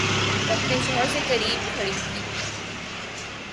وہ اپنے شوہر سے قریب کھڑی رہی